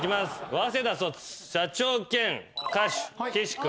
早稲田卒社長兼歌手岸君。